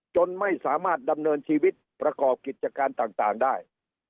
จนไม่สามารถดำเนินชีวิตประกอบกิจการต่างได้